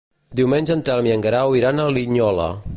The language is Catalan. Diumenge en Telm i en Guerau iran a Linyola.